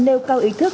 nêu cao ý thức